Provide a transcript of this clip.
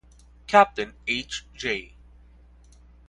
Captain H. J.